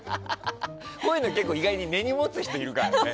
こういうの意外に根に持つ人、いるからね。